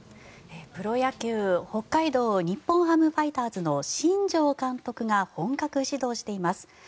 プロ野球北海道日本ハムファイターズの新庄監督が本格始動しています。